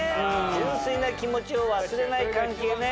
純粋な気持ちを忘れない関係ね。